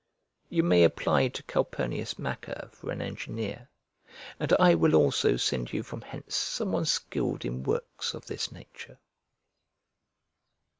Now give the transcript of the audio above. You may apply to Calpurnius Macer for an engineer, and I will also send you from hence some one skilled in works of this nature.